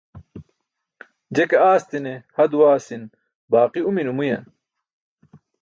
Je ke aasti̇ne ha duwaasi̇n baaqi umi numuyan.